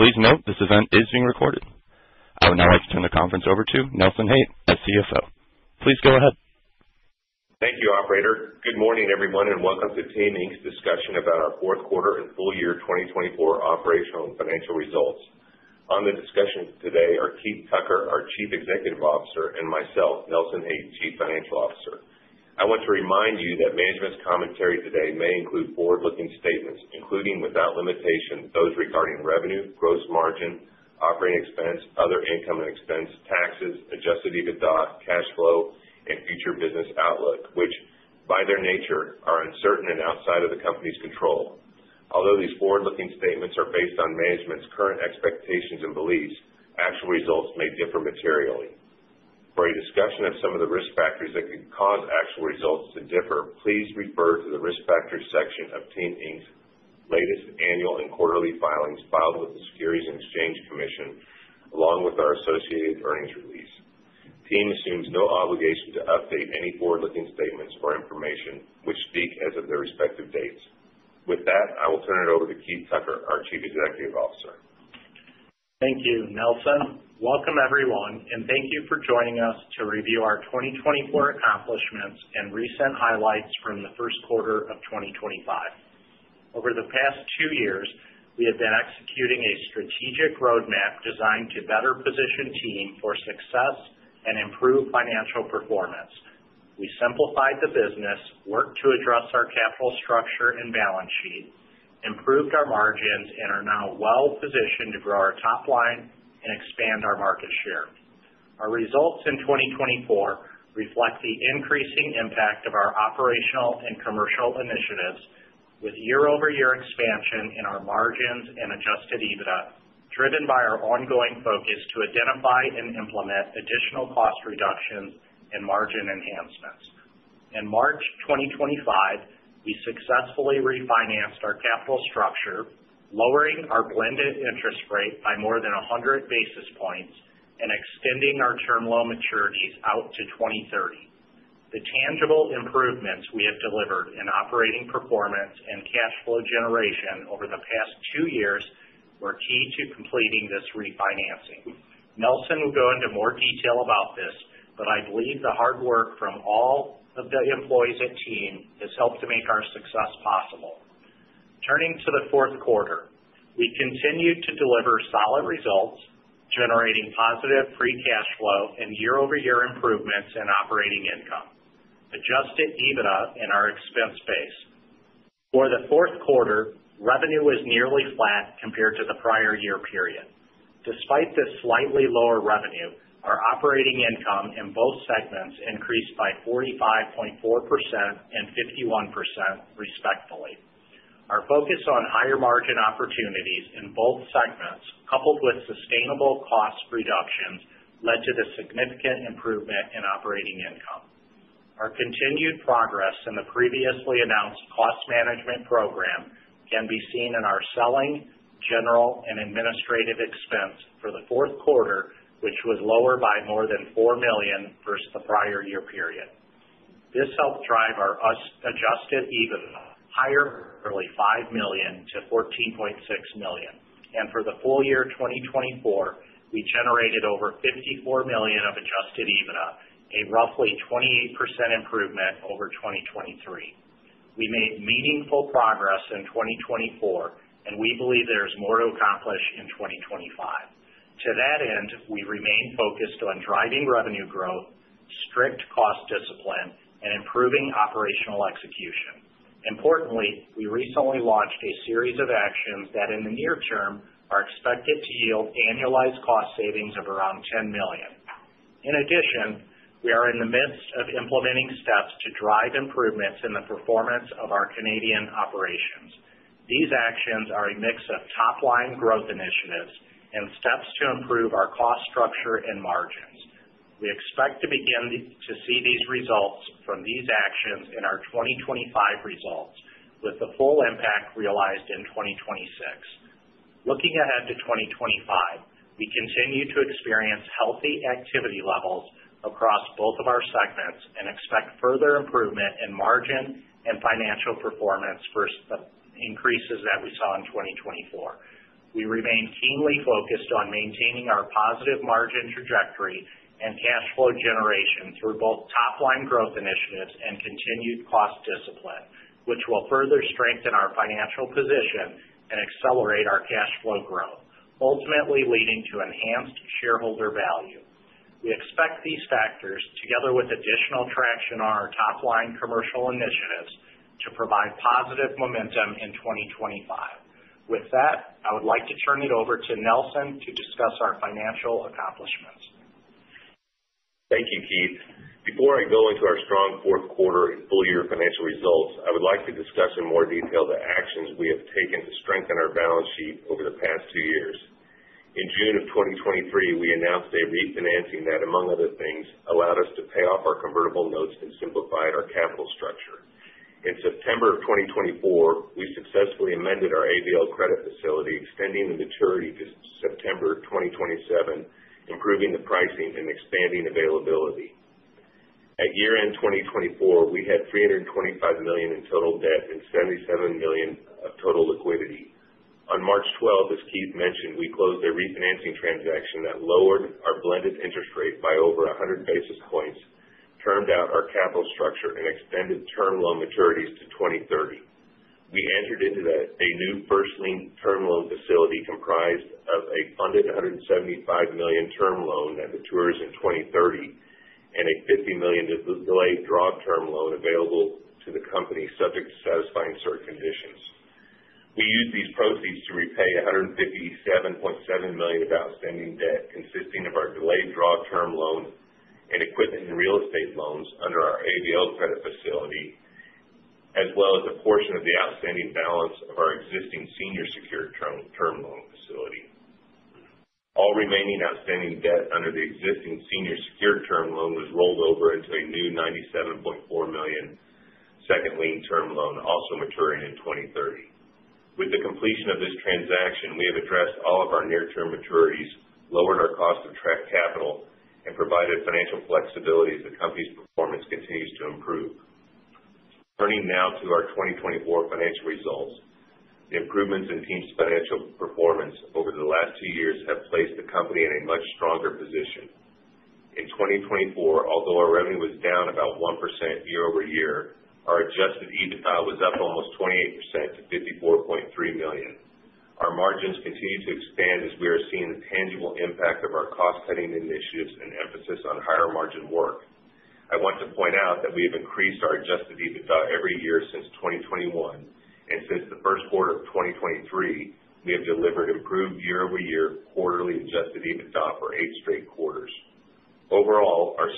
Please note, this event is being recorded. I will now turn the conference over to Nelson Haight, our CFO. Please go ahead. Thank you, Operator. Good morning, everyone, and welcome to Team's discussion about our fourth quarter and full year 2024 operational and financial results. On the discussion today are Keith Tucker, our Chief Executive Officer, and myself, Nelson Haight, Chief Financial Officer. I want to remind you that management's commentary today may include forward-looking statements, including, without limitation, those regarding revenue, gross margin, operating expense, other income and expense, taxes, adjusted EBITDA, cash flow, and future business outlook, which, by their nature, are uncertain and outside of the company's control. Although these forward-looking statements are based on management's current expectations and beliefs, actual results may differ materially. For a discussion of some of the risk factors that can cause actual results to differ, please refer to the risk factors section of Team's latest annual and quarterly filings filed with the Securities and Exchange Commission, along with our associated earnings release. Team assumes no obligation to update any forward-looking statements or information which speak as of their respective dates. With that, I will turn it over to Keith Tucker, our Chief Executive Officer. Thank you, Nelson. Welcome, everyone, and thank you for joining us to review our 2024 accomplishments and recent highlights from the first quarter of 2025. Over the past two years, we have been executing a strategic roadmap designed to better position Team for success and improve financial performance. We simplified the business, worked to address our capital structure and balance sheet, improved our margins, and are now well-positioned to grow our top line and expand our market share. Our results in 2024 reflect the increasing impact of our operational and commercial initiatives, with year-over-year expansion in our margins and adjusted EBITDA, driven by our ongoing focus to identify and implement additional cost reductions and margin enhancements. In March 2025, we successfully refinanced our capital structure, lowering our blended interest rate by more than 100 basis points and extending our term loan maturities out to 2030. The tangible improvements we have delivered in operating performance and cash flow generation over the past two years were key to completing this refinancing. Nelson will go into more detail about this, but I believe the hard work from all of the employees at Team has helped to make our success possible. Turning to the fourth quarter, we continued to deliver solid results, generating positive free cash flow and year-over-year improvements in operating income, adjusted EBITDA, and our expense base. For the fourth quarter, revenue was nearly flat compared to the prior year period. Despite this slightly lower revenue, our operating income in both segments increased by 45.4% and 51%, respectively. Our focus on higher margin opportunities in both segments, coupled with sustainable cost reductions, led to the significant improvement in operating income. Our continued progress in the previously announced cost management program can be seen in our selling, general, and administrative expense for the fourth quarter, which was lower by more than $4 million versus the prior year period. This helped drive our adjusted EBITDA higher from nearly $5 million to $14.6 million. For the full year 2024, we generated over $54 million of adjusted EBITDA, a roughly 28% improvement over 2023. We made meaningful progress in 2024, and we believe there is more to accomplish in 2025. To that end, we remain focused on driving revenue growth, strict cost discipline, and improving operational execution. Importantly, we recently launched a series of actions that, in the near term, are expected to yield annualized cost savings of around $10 million. In addition, we are in the midst of implementing steps to drive improvements in the performance of our Canadian operations. These actions are a mix of top-line growth initiatives and steps to improve our cost structure and margins. We expect to begin to see these results from these actions in our 2025 results, with the full impact realized in 2026. Looking ahead to 2025, we continue to experience healthy activity levels across both of our segments and expect further improvement in margin and financial performance versus the increases that we saw in 2024. We remain keenly focused on maintaining our positive margin trajectory and cash flow generation through both top-line growth initiatives and continued cost discipline, which will further strengthen our financial position and accelerate our cash flow growth, ultimately leading to enhanced shareholder value. We expect these factors, together with additional traction on our top-line commercial initiatives, to provide positive momentum in 2025. With that, I would like to turn it over to Nelson to discuss our financial accomplishments. Thank you, Keith. Before I go into our strong fourth quarter and full year financial results, I would like to discuss in more detail the actions we have taken to strengthen our balance sheet over the past two years. In June of 2023, we announced a refinancing that, among other things, allowed us to pay off our convertible notes and simplified our capital structure. In September of 2024, we successfully amended our ABL credit facility, extending the maturity to September 2027, improving the pricing and expanding availability. At year-end 2024, we had $325 million in total debt and $77 million of total liquidity. On March 12, as Keith mentioned, we closed a refinancing transaction that lowered our blended interest rate by over 100 basis points, termed out our capital structure, and extended term loan maturities to 2030. We entered into a new first-lien term loan facility comprised of a funded $175 million term loan that matures in 2030 and a $50 million delayed draw term loan available to the company, subject to satisfying certain conditions. We used these proceeds to repay $157.7 million of outstanding debt, consisting of our delayed draw term loan and equipment and real estate loans under our ABL credit facility, as well as a portion of the outstanding balance of our existing senior secured term loan facility. All remaining outstanding debt under the existing senior secured term loan was rolled over into a new $97.4 million second-lien term loan, also maturing in 2030. With the completion of this transaction, we have addressed all of our near-term maturities, lowered our cost of capital, and provided financial flexibility as the company's performance continues to improve. Turning now to our 2024 financial results, the improvements in Team's financial performance over the last two years have placed the company in a much stronger position. In 2024, although our revenue was down about 1% year-over-year, our adjusted EBITDA was up almost 28% to $54.3 million. Our margins continue to expand as we are seeing the tangible impact of our cost-cutting initiatives and emphasis on higher margin work. I want to point out that we have increased our adjusted EBITDA every year since 2021, and since the first quarter of 2023, we have delivered improved year-over-year quarterly adjusted EBITDA for eight straight quarters. Overall, our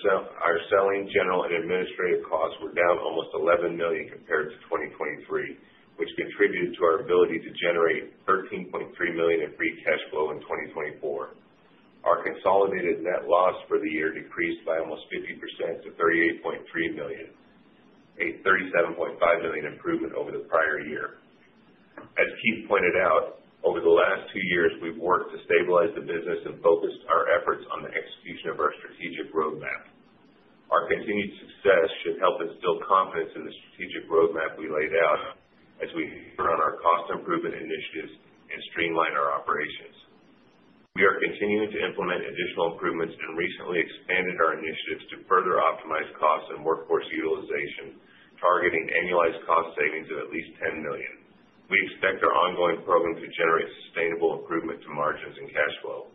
selling, general, and administrative costs were down almost $11 million compared to 2023, which contributed to our ability to generate $13.3 million in pre-cash flow in 2024. Our consolidated net loss for the year decreased by almost 50% to $38.3 million, a $37.5 million improvement over the prior year. As Keith pointed out, over the last two years, we've worked to stabilize the business and focused our efforts on the execution of our strategic roadmap. Our continued success should help instill confidence in the strategic roadmap we laid out as we put on our cost improvement initiatives and streamline our operations. We are continuing to implement additional improvements and recently expanded our initiatives to further optimize costs and workforce utilization, targeting annualized cost savings of at least $10 million. We expect our ongoing program to generate sustainable improvement to margins and cash flow.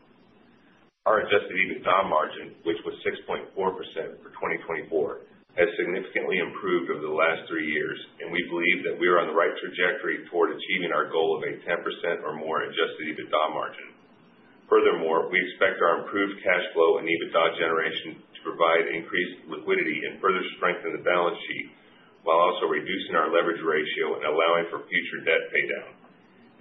Our adjusted EBITDA margin, which was 6.4% for 2024, has significantly improved over the last three years, and we believe that we are on the right trajectory toward achieving our goal of a 10% or more adjusted EBITDA margin. Furthermore, we expect our improved cash flow and EBITDA generation to provide increased liquidity and further strengthen the balance sheet, while also reducing our leverage ratio and allowing for future debt paydown.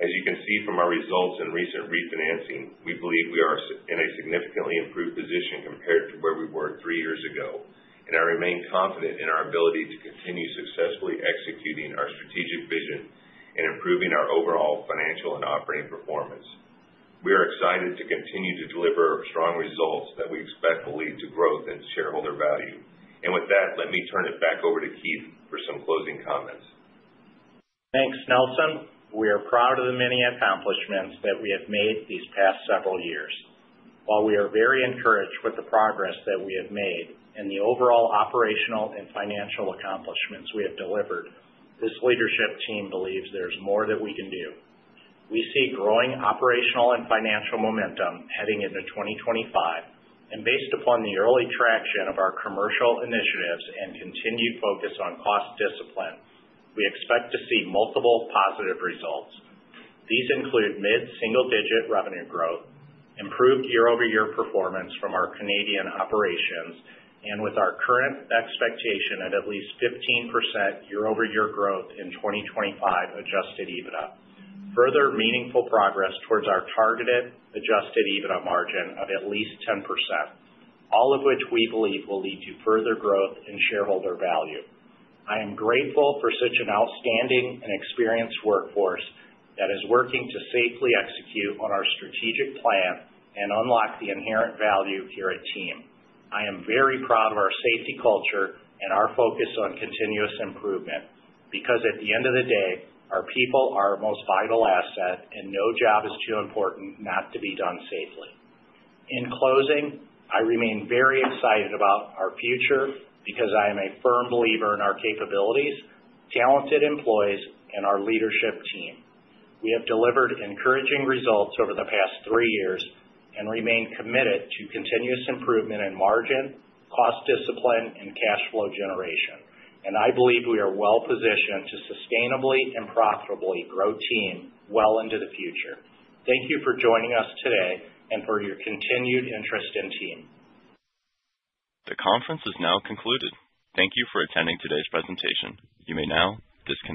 As you can see from our results and recent refinancing, we believe we are in a significantly improved position compared to where we were three years ago, and I remain confident in our ability to continue successfully executing our strategic vision and improving our overall financial and operating performance. We are excited to continue to deliver strong results that we expect will lead to growth and shareholder value. With that, let me turn it back over to Keith for some closing comments. Thanks, Nelson. We are proud of the many accomplishments that we have made these past several years. While we are very encouraged with the progress that we have made and the overall operational and financial accomplishments we have delivered, this leadership team believes there is more that we can do. We see growing operational and financial momentum heading into 2025, and based upon the early traction of our commercial initiatives and continued focus on cost discipline, we expect to see multiple positive results. These include mid-single-digit revenue growth, improved year-over-year performance from our Canadian operations, and with our current expectation at at least 15% year-over-year growth in 2025 adjusted EBITDA. Further meaningful progress towards our targeted adjusted EBITDA margin of at least 10%, all of which we believe will lead to further growth in shareholder value. I am grateful for such an outstanding and experienced workforce that is working to safely execute on our strategic plan and unlock the inherent value here at Team. I am very proud of our safety culture and our focus on continuous improvement because, at the end of the day, our people are our most vital asset, and no job is too important not to be done safely. In closing, I remain very excited about our future because I am a firm believer in our capabilities, talented employees, and our leadership team. We have delivered encouraging results over the past three years and remain committed to continuous improvement in margin, cost discipline, and cash flow generation. I believe we are well-positioned to sustainably and profitably grow Team well into the future. Thank you for joining us today and for your continued interest in Team. The conference is now concluded. Thank you for attending today's presentation. You may now disconnect.